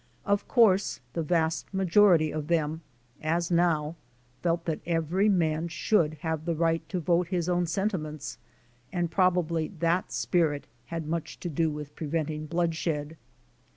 Of course, the vast majority of them, as now, felt that every man should have the right to vote his own sentiments, and probably that spirit had much to do with preventing blood shed. 582 D.